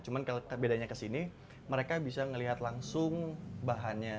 cuma kalau bedanya kesini mereka bisa melihat langsung bahannya